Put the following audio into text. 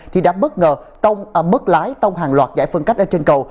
thì đã bất ngờ bất lái tông hàng loạt giải phân cách trên cầu